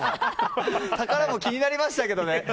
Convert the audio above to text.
宝も気になりましたけどね。